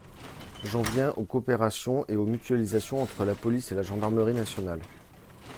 J’en viens aux coopérations et aux mutualisations entre la police et la gendarmerie nationales.